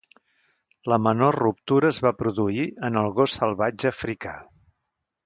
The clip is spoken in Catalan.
La menor ruptura es va produir en el gos salvatge africà.